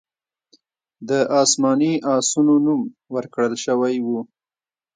د اسماني آسونو نوم ورکړل شوی و